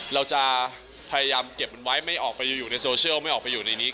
เราจะพยายามเก็บมันไว้ไม่ออกไปอยู่ในโซเชียลไม่ออกไปอยู่ในนี้